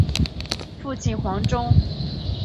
父亲黄中。